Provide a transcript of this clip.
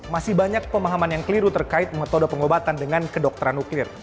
masih banyak pemahaman yang keliru terkait metode pengobatan dengan kedokteran nuklir